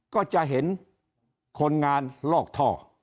ก็จะเห็นคนงานลอกท่อ